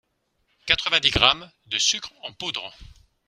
quatre-vingt dix grammes de sucre en poudre